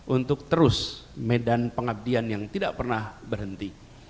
untuk terus medan pengabdian yang tidak pernah berhenti